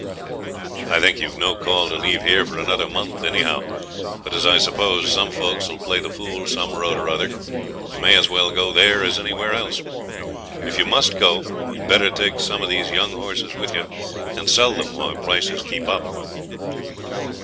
'I think you've no call to leave here for another month anyhow; but as I suppose some folks 'll play the fool some road or other you may as well go there as anywhere else. If you must go you'd better take some of these young horses with you and sell them while prices keep up.'